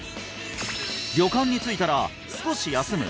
旅館に着いたら少し休む？